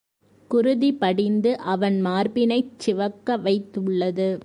குருதி படிந்து அவன் மார்பினைச் சிவக்க வைத்துள்ளது.